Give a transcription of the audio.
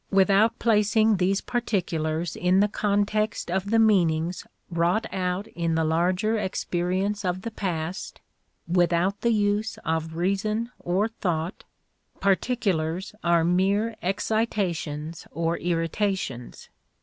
Without placing these particulars in the context of the meanings wrought out in the larger experience of the past without the use of reason or thought particulars are mere excitations or irritations.